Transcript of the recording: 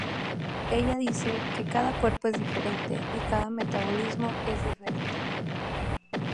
Ella dice que "cada cuerpo es diferente y cada metabolismo es diferente".